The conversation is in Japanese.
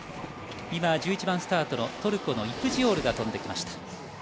今、１１番スタートのトルコのイプジオールが飛んできました。